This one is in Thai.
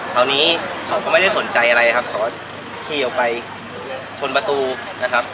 คราวนี้เขาก็ไม่ได้สนใจอะไรครับเขาก็ขี่ออกไปชนประตูนะครับ